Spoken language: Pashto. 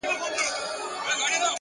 هره ورځ د اغېز پرېښودلو فرصت لري،